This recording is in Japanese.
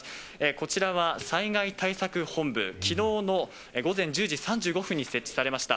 こちらは災害対策本部、きのうの午前１０時３５分に設置されました。